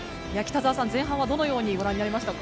前半はどのようにご覧になりましたか？